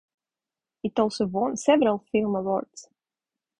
It also won several film awards.